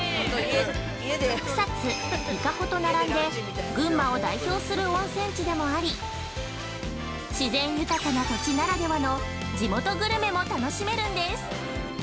草津、伊香保と並んで群馬を代表する温泉地でもあり、自然豊かな土地ならではの地元グルメも楽しめるんです。